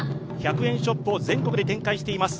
１００円ショップを全国で展開しています。